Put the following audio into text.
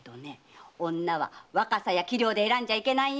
女は若さや器量で選んじゃいけないよ。